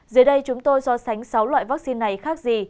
dưới đây chúng tôi so sánh sáu loại vắc xin này khác gì